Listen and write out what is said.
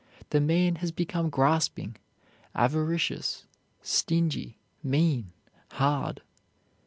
The man has become grasping, avaricious, stingy, mean, hard.